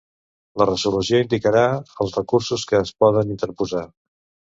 La resolució indicarà els recursos que es poden interposar.